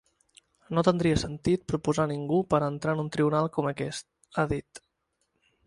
No tindria sentit proposar ningú per entrar en un Tribunal com aquest, ha dit.